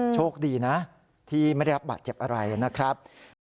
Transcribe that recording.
โชคดีนะที่ไม่ได้รับบาดเจ็บอะไรนะครับ